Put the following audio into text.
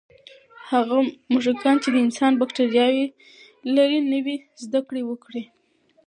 هغه موږکان چې د انسان بکتریاوې لري، نوې زده کړې وکړې.